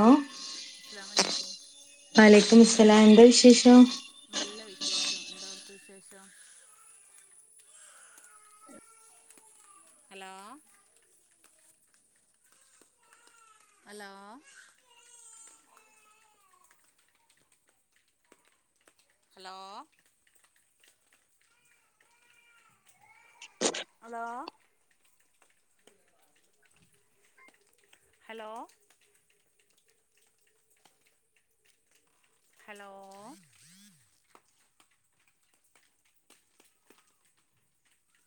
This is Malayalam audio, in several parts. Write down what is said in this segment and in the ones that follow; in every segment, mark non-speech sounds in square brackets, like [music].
ഉം അസ്സലാമു അലൈക്കും വലൈക്കും മുസ്സലാം എന്താ വിശേഷം നല്ല വിശേഷം എന്താ അവിട്ത്ത വിശേഷം hello hello hello hello hello hello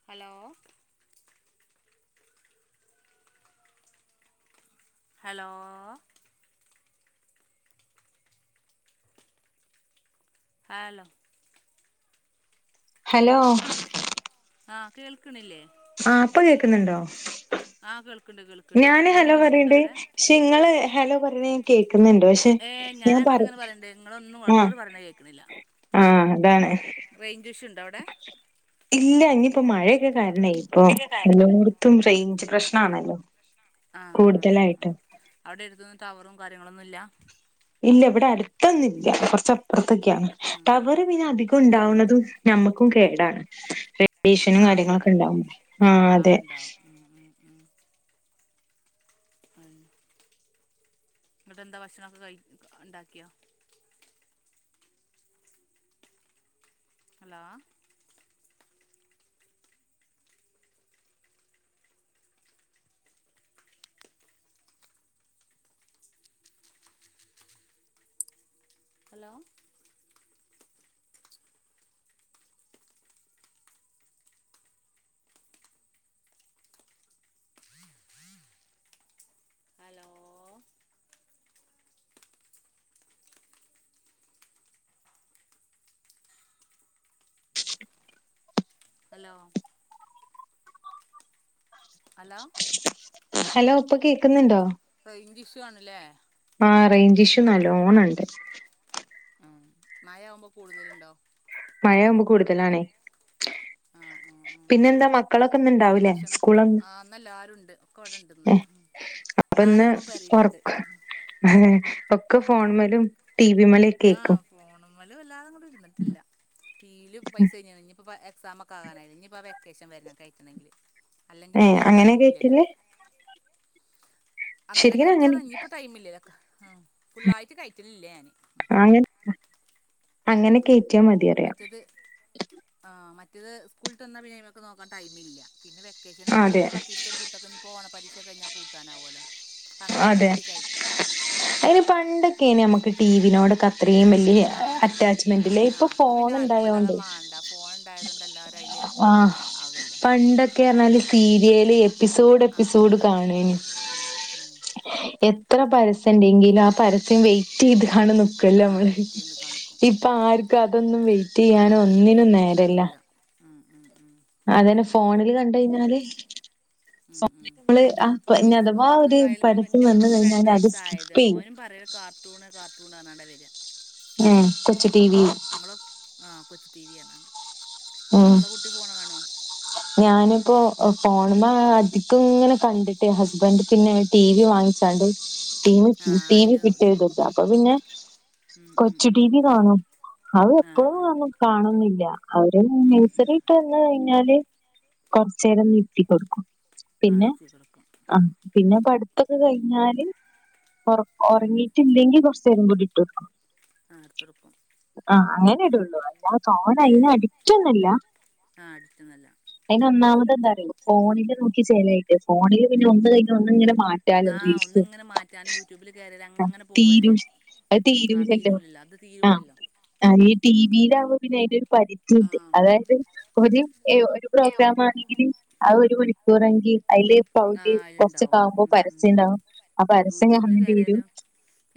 hello hello hello hello ആ കേൾക്ണില്ലേ ആഹ് പ്പ കേക്ന്ന്ണ്ടോ ആഹ് കേൾക്ണ്ട് കേൾ ഞാന് ഹലോ പറിണ്ട് ക്ഷെ ഇങ്ങള് ഹലോ പറിണേ ഞാൻ കേക്ക്‌ന്ന്ണ്ട് പക്ഷെ ഞാൻ പറയ ങ്ങനെ പറിണ്ട് ഇങ്ങളൊന്നും പറിണേ കേൾക്ണില്ല ആഹ് അതാണ് റെയിൻഞ്ച് ഷു ണ്ടോ അവിടെ ഇല്ല ഇനിയിപ്പോ മഴയൊക്കെ കാരണേ ഇപ്പൊ എല്ലോട്ത്തും റേയ്ഞ്ച് പ്രശ്നാണല്ലോ ആഹ് ആഹ് ആഹ് ആഹ് കൂടുതലായിട്ടും അവ്ടെ [unintelligible] ടവറും കാര്യങ്ങളൊന്നുംല്ല ഇല്ല ഇവിടെ അടുത്തൊന്നുല്ല കുറച്ചപ്പോറ്ത്തൊക്കെയാണ് ഉം ടവർ പിന്നെ അധികം ഏഹ് ഉണ്ടാവുന്നതും നമ്മക്കും കേടാണ് റഡീഷനും ആഹ് കാര്യങ്ങളൊക്കെ ണ്ടാവുബെ ആഹ് അതെ ഉം ഉം ഉം ഉം ന്നെട്ടെന്താ ഭക്ഷണോക്കെ കയ് ണ്ടാക്കിയാ hello hello hello hello hello hello ഇപ്പ കേക്ന്ന്ണ്ടോ റെയ്ഞ്ച് ഷു ആണല്ലേ ആഹ് റേയ്ഞ്ച് ഷു നല്ലോണണ്ട് ഉം മഴാവുമ്പോ കൂട്തല്ണ്ടോ മഴാവുമ്പോ കൂട്തലാണേ ആഹ് ഉം പിന്നെന്താ മക്കളൊക്കെ ഇന് ഇണ്ടാവുലേ സ്കൂള് ഇന്നെല്ലാരുണ്ട് ഒക്കെ ഇവിടെ ഇണ്ടിന്ന് നാലാളും പെരയിലിണ്ട് ആഹ് ഒക്കെ ഫോണ് മലും ടി വി മലും ആഹ് ഫോണ് മല് വല്ലാതങ്ങട് ഇരുന്നിട്ടില്ല ടീവീല് പൈസ കഴിഞ്ഞത ഇനിപ്പ എക്സാം ഒക്കെ ക്ക ആകാനായില്ലേ ഇനി ഇപ്പോം വെക്കേഷൻ വരണം കയറ്റണെങ്കിൽ അല്ലെങ്കിൽ ഏ പിന്നെ അങ്ങനെ ടൈം ഇല്ലല്ലോ കേറ്റില് അങ്ങനെ കയറ്റണം ഇനിയിപ്പൊ ടൈമില്ലല്ലോ ആഹ് ഫുള്ളായിട്ട് കയറ്റലില്ല ഞാന് അങ്ങനെ കേറ്റ് മറ്റേത് ആഹ് മറ്റേത് സ്കൂള് വിട്ട് വന്നാ പിന്നെ അയ്മക്ക് നോക്കാൻ ടൈമില്ല പിന്നെ വെക്കേഷനാവുമ്പോ അതെ പിന്ന ഒരു പത്തീസം പൂട്ടൊക്കെ ഇനി ഇപ്പൊ ഓണ പരീക്ഷ കയിഞ്ഞാ പൂട്ടാനാവുലോ അപ്പ അങ്ങനൊക്കെ അതെ നോക്കിക്കയറ്റും അതിന് പണ്ടൊക്കെയ്ന് നമ്മുക്ക് ടി വിനോട് ഇത്രേം വല്യ ആ അറ്റാച്ച്മെന്റില് ആ ഇപ്പൊ ഫോൺ പിന്നെ ആർക്കും വല്ലാതെ ഇണ്ടായോണ്ട് മാണ്ട ഫോൺ ഉണ്ടായത് കൊണ്ട് എല്ലാവരും അയില് ആഹ് ആകല്ലേ പണ്ടൊക്കെ പറഞ്ഞാല് സീരിയല് എപ്പിസോഡ് ആ എപ്പിസോഡ് സീരിയല് കാണേന് ഉം ഉം ഇത്ര പരസ്യം ഉണ്ടെങ്കിലും ആഹ് പരസ്യം വെയിറ്റ് ചെയ്ത്കാണ് ആ നിക്കല്ലോ നമ്മള് വെയിറ്റ് ചെയ്ത് കടക്കും അപ്പ ആർക്കും അതൊന്നും ആ വെയിറ്റെയ്യാനും വെയിറ്റ് ഒന്നിനും ചെയ്യുന്നതിന് നേരല്ല ടൈമില്ല ഉം ഉം ഉം അതിന് ഫോണില് കണ്ട് കയിഞ്ഞാല് ഉം ഉം [unintelligible] നമ്മള് ഇപ്പൊ ആഹ് പിന്നെ അഥവാ ഒരു മക്കൾക്കായാലും ഇപ്പ പരസ്യം എന്റെ വന്ന് കുട്ടിക്ക് കയിഞ്ഞാല് അത് സ്കിപ്പ് ചെയ്യും ട്ടൂണ് കാർട്ടൂണ് പറഞ്ഞാണ്ട് വരാ ഉം കൊച്ച് ടി വി [unintelligible] ആഹ് കൊച്ച ടി വി യാണ് ഉം നിങ്ങളെ കുട്ടി ഫോൺ കാണോ ഞാനിപ്പോ ഫോണ്മ്മേ അധികം ഇങ്ങനെ കണ്ടിട്ടേ ഹസ്ബന്റ് പിന്നെ ടി വി വാങ്ങിച്ചാണ്ട് ടി വി ആ ടി അതിൽ വി ഇടും [unintelligible] അപ്പ പിന്നെ ഉം ഉം കൊച്ചു ഉം ടി വി കാനും അത് ആ എപ്പഴും ആ കാണും കാണൊന്നില്ല അവര് ഉം ഉം നഴ്സറിട്ട് വന്ന് കഴിഞ്ഞാല് കൊറച്ചേരം [unintelligible] ആ പിന്നെ അയച്ച് കൊടുക്കും ആഹ് പിന്നെ പഠിത്തൊക്കെ കയിഞ്ഞാല് ഉം ഒറങ്ങിട്ടില്ലെങ്കിൽ കൊറച്ചേരം കൂടി ഇട്ടൊടുക്കും ആഹ് എടുത്തൊടുക്കും ആഹ് അങ്ങനെ ഇടുള്ളൂ അല്ല തോന ഏ അയിന് അഡിക്റ്റ് ഒന്നല്ല ആ അടിച്ചെന്നല്ല അതിന് ഒന്നാമത് എന്താറിയോ ഫോണില് നോക്കി ചെലായിട്ട് ഫോണില് പിന്നെ ഒന്ന് കഴിഞ്ഞ ഒന്ന് ഇങ്ങനെ മാറ്റ ആഹ് ഒന്ന് ഇങ്ങനെ മാറ്റാൻ യൂട്യൂബില് കയറിയാല് അങ്ങനെ പോവല്ലേ തീരൂ അത് ആ തീരൂലല്ലോ അത് തീരൂലല്ലോ അ ഇ ടി വിലാവുമ്പൊ പിന്നയ്ന്റൊരു പരിധി ആ ഉണ്ട് അതായത് ഒരു എ ഒരു പ്രോഗ്രാമാണെങ്കില് ആ ഒരു മണിക്കൂറെങ്കി അയ്ല് ആ പൗതി അതിലുണ്ടാവും കൊർച്ചൊക്കാകുമ്പോ ഉം ഉം ഉം പരസ്യണ്ടാവും ആ പരസ്യം യൂട്യൂബിൽ കാണേണ്ടി വെരും കയറിയാലോ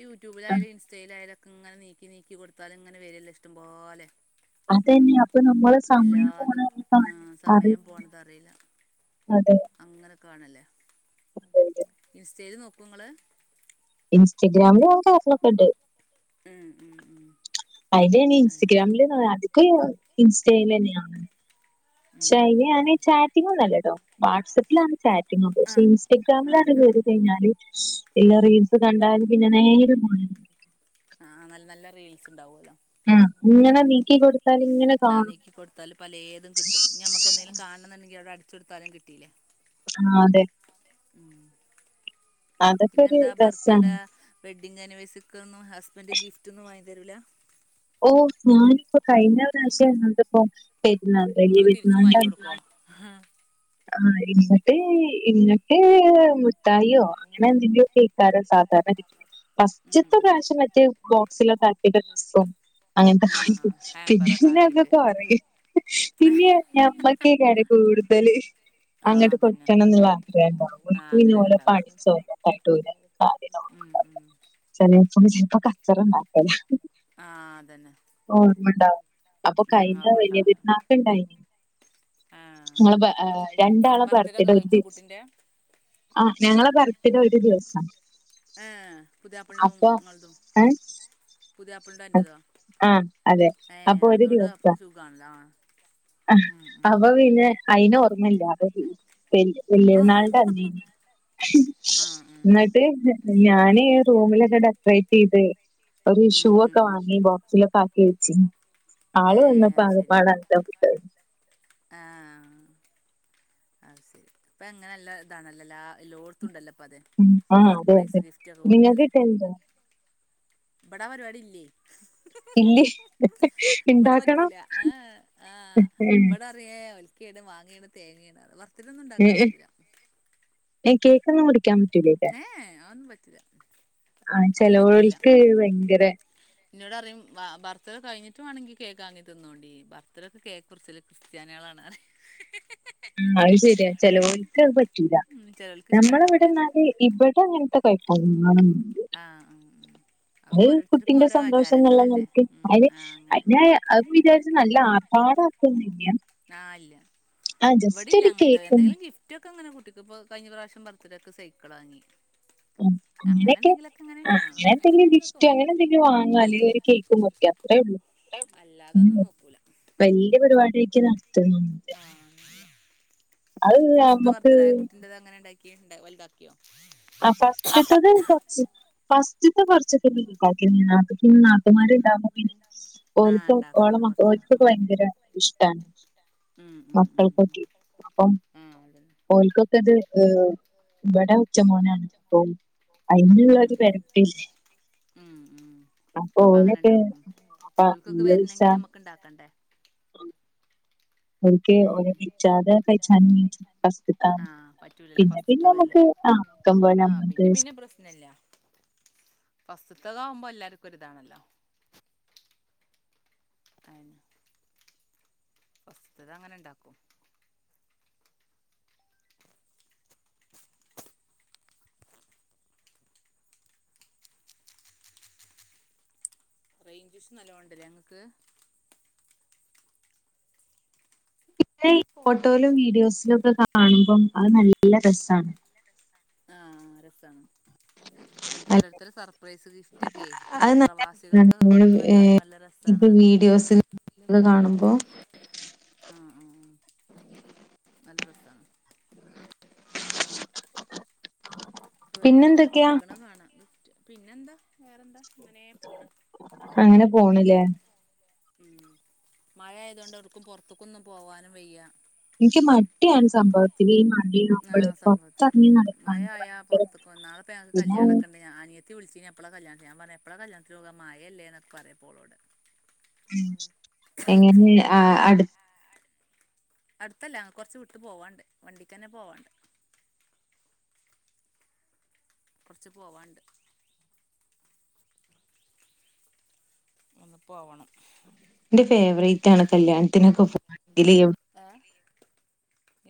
യൂട്യൂബിലായാലും ഇൻസ്റ്റയിലായാലൊക്കെങ്ങനെ നീക്കി നീക്കി കൊടുത്താല് ഇങ്ങനെ വെരല്ലേ ഇഷ്ടം പോലേ അതന്നെ അപ്പൊ നമ്മളെ സമയം പോണ എല്ലാതും കാണില്ല. ഉം അത് സമയം പോണത് അറില്ല അതെ അങ്ങനെ കാണല്ലേ അതെ അതെ ഇൻസ്റ്റേല് നോക്കോ ങ്ങള് ഇൻസ്റ്റഗ്രാമില് ഞാൻ കേറലൊക്കെ ഇണ്ട് ഉം ഉം ഉം അയ്നാണ് അതന്നെ ഇൻസ്റ്റഗ്രാമില് [unintelligible] ക്കെ ഇൻസ്റ്റേലെന്ന്യ ഉം ഷേ ഉം അയ്ല് ഞാന് ഉം ചാറ്റ് [unintelligible] അല്ലട്ടോ വാട്സ്സപ്പിലാണ് ചാറ്റ് [unintelligible] ആ പക്ഷെ ആ ഇൻസ്റ്റഗ്രാമിലാണ്ട് ഉണ്ടാവും കേറി കയ്ഞ്ഞാല് എല്ലാ ഉം റീൽ ത് കണ്ടാല് പിന്നെ നേരം ആ നല്ല നല്ല റീൽസ്ണ്ടാവുലൊ ആ ഇങ്ങനെ നീക്കിക്കൊട് ആ നീക്കികൊടുത്താല് പലേതുംകിട്ടുംഞമ്മക്കെന്തേലും കാണംന്ന്ണ്ടെങ്കിഅവടെ അടിച്ചൊട്ത്താലും കിട്ടീലേ ആ അതെ ഉം അതൊക്കെ ഒരു പിന്നെന്താ ബർത്തിട രസാണ് വെഡിങ്ങാനുവേഴ്സറിക്കൊന്നും ഹസ്ബന്റ് ഗിഫ്റ്റൊന്നും വാങ്ങി തെരൂല ഓഹ് ഞാനിപ്പോ കയ്ഞ്ഞപ്രശ്യാ ഞങ്ങള്ത്പ്പോ പെര്ന്നാള് ഇങ്ങള് തിരിച്ചും വാങ്ങി വെല്യപെരുന്നാളിന്റന്ന് കൊടുക്കുവോ ആ ഇങ്ങട്ട് ഇങ്ങട്ട് മിട്ടായിയോ അങ്ങനെന്തെങ്കിലൊക്കെക്കാരം സാധാരണകിട്ടല് ഉം ഉം ഫാസ്റ്റ്ത്തെപ്രാശ്യം മറ്റേബോക്സിലൊക്കാക്കിട്ട് ഡ്രെസ്സും അങ്ങൻത്തൊക്കെ ആ വാങ്ങി ആ പിന്നെ ഹാമ്പറൊക്കെ പിന്നെ അങ്ങ് ആക്കിയിട്ട് കൊറയും പിന്നെ ഞമ്മക്കെക്കാരം കൂടുതല് ആ അങ്ങ്ട്ട് അതന്നെ കൊടുക്കണംന്ന്ള്ള ആഗ്രഹം ഇണ്ടാവും. ആ ഓല്ക്ക് പിന്നെ ആഗ്രഹം ഓല് ഉണ്ടാവുക പഠിച്ചോലെ പറ്റൂല കാര്യല ഉം ഉം ചെലേപ്പോ ചെൽപ്പോ കച്ചറണ്ടാക്കല ആ അതെന്നെ ഓർമ്മണ്ടോ അപ്പൊ കയ്ഞ വെല്യ ഓർമ്മണ്ടാവൂല പെരുന്നാക്ക്ണ്ടായ്നി ആ ങ്ങ ബ ഏ രണ്ടാളെ ബർത്ത്ഡേ ബർത്ത് ഡെ ഒക്കെ ഒര് കഴിച്ചോ ദിവസം കുട്ടിന്റെ ആ ഞങ്ങളെ ബർത്തിഡെ ഒര് ദിവസ ഏ പുതിയാപ്ലന്റും ഇങ്ങൾതും ഏഹ് പുതിയാപ്ലന്റെ അന്റെതോ ആഹ് അതെ ഏ അപ്പൊ ഒരു അതോണ്ട്അപ്പോ സുഖാണല്ലോ ആ അഹ് ഉം ഉം അപ്പോ ഉം പിന്നെ അയ്ന് ഓർമ്മല്ല [unintelligible] ആ വെല്യെര്ന്നാളിന്റെ അന്നെയ്നി ആ ഉം ന്ന്ട്ട് ഞാന് റൂമിലൊക്കെ ഡെക്കറേറ്റെയ്ത് ഒര് ഉം ഉം ഉം ഷൂവൊക്കെവാങ്ങി ബോ ക്സിലൊക്കാക്കിവെച്ചിനി ആള് ഏ വെന്നപ്പോ അത് ശരി ആകപ്പാടെ അന്തം വി ആ അത് സെരി ഇപ്പങ്ങനെല്ലതാണല്ലോലേ എല്ലോട്ത്തുണ്ടല്ലോപ്പത് ഉം ആഹ് അതെ സർപ്രൈസ് അതെ ഗിഫ്റ്റൊക്കെ കൊട്ക്കല് നിങ്ങൾക്ക് കിട്ടല്ണ്ടോ ഇപടാപരിപാടി ല്ലേ ഇല്ലേ ഇണ്ടാക്കണം ഇവടെപറ്റൂല ഏ ആ ഏഹ് ഇവടെ ഏ ഒൽക്കെണ് മാങ്ങേണ് തേങ്ങേണ്പറയും ബർത്തിടൊന്നും ണ്ടാക്കാൻ ഏഹ് പറ്റൂല [unintelligible] ഏഏ അതൊന്നും പറ്റൂല ആ അതൊന്നും ചെലോൽക്ക് ഭയങ്കരേ ഇന്നോട് പറയും ബർത്ത്ഡേ കഴിഞ്ഞിട്ട് വാണെങ്കി കേക്കാങ്ങി തിന്നോണ്ടി ബർത്ത്ഡക്ക് കേക്കുർച്ചല് ക്രിസ്ത്യാനിയാളാണ്ർയും [unintelligible] ആ അത് ശെരിയാ ചെലോൽക്കത് പറ്റൂല ചിലർക്ക് ഇഷ്ടം ഞമ്മളെ ഉണ്ടാവൂല ഇവടെന്നാല് ഇബട് ടെങ്ങൻത്തെ കൊയ്പ്പങ്ങളും ആ ഉം, ഉം. അത് ഓരോരുത്തർക്കും കുട്ടീന്റെ ഓരോ സന്തോഷംന്ന്ള്ള ആചാരങ്ങളല്ലേ നെൽക്ക് ഉം, അയ്ന് ആ അങ്ങനെ അയ്നായ അതൊക്കെ വിചാരിച്ച് നല്ല ആർഭാടാക്കൊന്നുല്ല ആഹ് ഇല്ല ആഹ് ജസ്റ്റ് ഇവടില്ല ഒരു അങ്ങൻത്തെ കേക്ക് എന്തെലുംഗിഫ് റ്റൊക്കെങ്ങനെകുട്ടിക്കിപ്പോ കഴിഞ്ഞ പ്രാവശ്യാം ബത്ത്ഡേയ്ക്ക് സൈക്കിളാങ്ങി. ആ അങ്ങനെക്കെ ആ അങ്ങനെ അങ്ങനെയൊക്കെ എന്തെങ്കിലുമൊക്കെ എന്തെങ്കിലുംഗിഫ്റ്റ് വാങ്ങും അങ്ങനെന്തെ റ്റ് വാങ്ങാ അല്ലെഒര് കേക്ക്മുറിക്ക അത്രേള്ളൂ. ഇവ്ടിം അല്ലാതൊന്നും നോക്കൂല. വല്ല്യാ പരിപാടിയാറ്റ് നടത്ത്ന്ന് അത് ഫാസ്റ്റ്ത്തെ നമ്മക്ക് ബർത്ത്ഡെകുട്ടിന്റെത് എങ്ങനെ ഇണ്ടാക്കിയേവലുതാക്കിയോ? ആഹ് ഫസ്റ്റ്ത്തത് കൊ സ് ഫസ്റ്റ്ത്തെ കൊർച്ചൊക്കെപിന്നെണ്ടാക്കി നാത്തൂ പിന്നെനാത്തൂമ്മാര് ണ്ടാവുമ്പോപിന്നെ ആഹ് ഓൽക്ക് ഉണ്ടാക്കുന്നുണ്ട് ഓളേമ കൊറച്ച് ഓൽക്കൊക്കെ ഭങ്കര ഇഷ്ട്ടാണ്. ഉം, ഉം, ഉം, ഉം അപ്പം ആഹ് അതന്നെ ഓൽക്കൊക്കെത് ഹ് ഇവടെവെച് റ്റമോനാണ്പ്പോ ഉം അയ്ന്ള്ളൊര് ഉം പെനഫിഷ് ഉം ഉം അപ്പൊ അങ്ങനെ ഓലക്ക് ഇണ്ടാക്കും ഓൽക്കൊക്കെ വെരണങ്കില് നമ്മക്ക് ഇണ്ടാക്കണ്ടേ ഓൽക്ക് ഓലെ വിളിച്ചാതെ കഴിച്ചാനും ഫസ്റ്റ്ത്താവുമ്പോ ആഹ് പറ്റൂലല്ലേ പിന്നെ പിന്നെ ഫസ്റ്റ്ത്തതല്ലേ നമുക്ക് ആഹ് ആക്കം പോലെ ആഹ് നമ്മക്ക് പിന്നെ പിന്നെ പ്രസ്നല്ല ഫസ്റ്റതആവുമ്പോ എല്ലാർക്കുരിതാണല്ലോ അയന്നെ ഫസ്റ്റത്തെ അങ്ങനെ ഇണ്ടാക്കും റേഞ്ച് ഇഷൂ നല്ലേണ്ട്ല്ലേ ഇങ്ങക്ക് ഈ പിന്നെ ഫോട്ടോലും വീഡിയോസിലൊക്കെ കാണുമ്പം അഹ് നല്ല രസാണ് ആഹ് രസാണ് ഓരോരുത്തര് സർപ്രൈസ് ഗിഫ്റ്റൊക്കെ അത് പ്രവാസികൾക്കൊക്കെ കൊടുക്കണ കാണ്മ്പാ നല്ല രസ ഇപ്പോ വീഡിയോസിൽക്ക് ക്ക കാണുമ്പോ ആഹ് ആഹ് ആഹ് നല്ല രസാണ് ഓരോരുത്തര് ഇങ്ങനെ പിന്നെന്തൊക്കെയാ കൊടുക്കണ കാണാം പിന്നെന്താ വേറെന്താ ഇങ്ങനെ പോണ് അങ്ങനെ പോണ്ല്ലേ ഉം മഴയതോണ്ട് എവ്ടെക്കും പുറത്തക്കൊന്നും പോവാനും വെയ്യ എൻക്ക് മടിയാണ് സംഭവത്തില് ഈ ആ മഴയാവുമ്പളേ സംഭവത്തി പൊറത്തെറങ്ങി ഉം നടക്കാനൊക്കെ മയയായാ ഭയങ്കര മടിയാ. പുറത്തേക്കന്നാ നാള പിന്നെ പിന്നെൻക്ക്കല്യാണക്കണ്ട് അനിയത്തി വിളിച്ചിന് എപ്പോയാ കല്ല്യാണത്തി ഞാ പറഞ്ഞ് എപ്പള കല്ല്യണത്തിനോവ മയല്ലേ എന്നക്കെ പറയപ്പോളോട് എങ്ങനെ ആ അടുത്ത അടുത്തല്ല കൊറച്ച് വിട്ട് പോവാണ്ട് വണ്ടിക്കന്നെ പോവാണ്ട് കെറച്ച് പോവാൻണ്ട് ഒന്ന് പോവണം എന്റെ ഫേവറേറ്റ് ആണ് കല്യാണത്തിനൊക്കെ പോ ഏഹ്